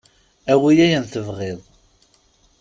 Awi ayen tebɣiḍ.